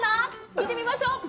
いってみましょう！